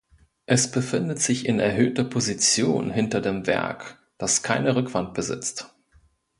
Es befindet sich in erhöhter Position hinter dem Werck, das keine Rückwand besitzt.